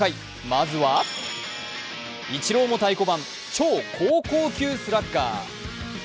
まずは、イチローも太鼓判、超高校級スラッガー。